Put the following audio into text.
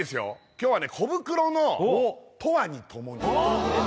今日はねコブクロの「永遠にともに」